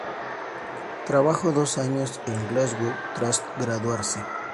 Trabajó dos años en Glasgow tras graduarse.